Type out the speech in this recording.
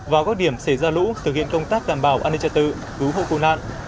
vào các điểm xảy ra lũ thực hiện công tác đảm bảo an ninh trật tự cứu hộ cứu nạn